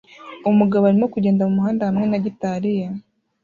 Umugabo arimo kugenda mumuhanda hamwe na gitari ye